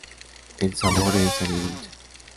El sabor es agridulce.